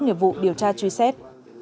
nghiệp vụ điều tra truy xét